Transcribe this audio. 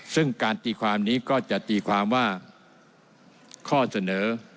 ซึ่งการตีความนี้ก็จะตีความว่าข้อเสนอ